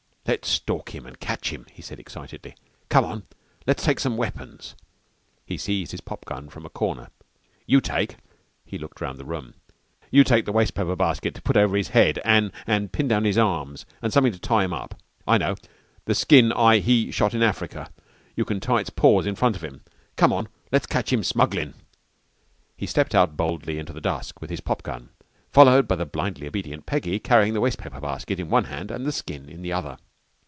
"Let's stalk him an' catch him," he said excitedly. "Come on. Let's take some weapons." He seized his pop gun from a corner. "You take " he looked round the room "You take the wastepaper basket to put over his head an' an' pin down his arms an' somethin' to tie him up! I know the skin I he shot in Africa. You can tie its paws in front of him. Come on! Let's catch him smugglin'." He stepped out boldly into the dusk with his pop gun, followed by the blindly obedient Peggy carrying the wastepaper basket in one hand and the skin in the other.